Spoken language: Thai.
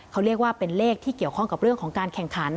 เขาเรียกว่าเป็นเลขที่เกี่ยวข้องกับเรื่องของการแข่งขัน